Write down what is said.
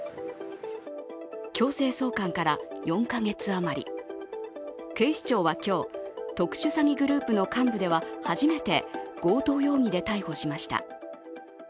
強制送還から４か月余り、警視庁は今日、特殊詐欺グループの幹部では初めて強盗容疑で逮捕しました。